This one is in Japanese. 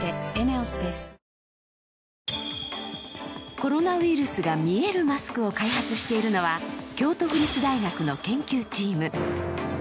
コロナウイルスが見えるマスクを開発しているのは京都府立大学の研究チーム。